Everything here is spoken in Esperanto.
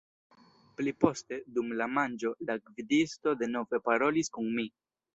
Pli poste, dum la manĝo, la gvidisto denove parolis kun mi.